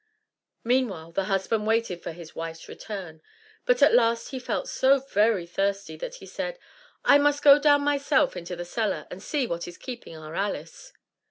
Meanwhile the husband waited for his wife's return; but at last he felt so very thirsty, that he said, "I must go myself down into the cellar and see what is keeping our Alice."